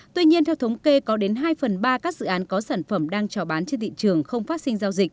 tuy nhiên theo thống kê có đến hai phần ba các dự án có sản phẩm đang trò bán trên thị trường